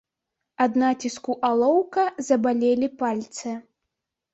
Ад націску алоўка забалелі пальцы.